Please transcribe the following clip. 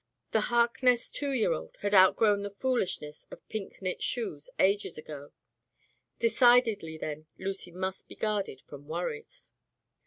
The Harkness two year old had out grown the foolishness of pink knit shoes ages ago. Decidedly, then, Lucy must be guarded from worries.